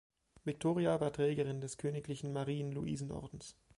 Viktoria war Trägerin des Königlichen Marien-Louisen-Ordens.